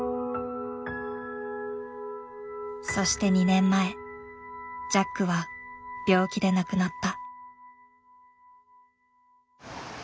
そして２年前ジャックは病気で亡くなった。